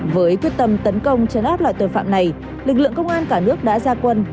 với quyết tâm tấn công chấn áp loại tội phạm này lực lượng công an cả nước đã ra quân